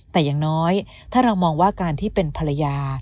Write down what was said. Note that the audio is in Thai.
แต่อย่างน้อยถ้าเรามองว่าการที่เป็นภรรยา